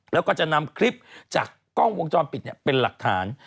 แล้วก็จะนำคลิปจากกล้องวงจรปิดเป็นหลักฐาน